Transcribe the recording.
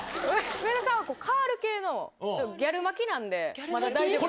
上田さんはカール系の、ギャル巻きなんで、まだ大丈夫。